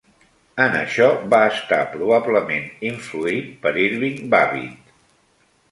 En això va estar probablement influït per Irving Babbitt.